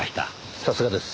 さすがです。